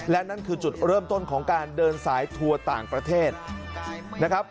และนั่นคือจุดเริ่มต้นของการเดินสายทัวร์ต่างประเทศนะครับ